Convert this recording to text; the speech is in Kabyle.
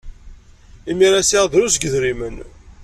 Imir-a, sɛiɣ drus n yidrimen.